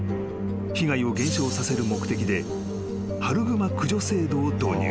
［被害を減少させる目的で春グマ駆除制度を導入］